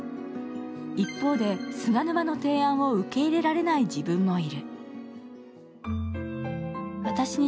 一方で菅沼の提案を受け入れられない自分もいる。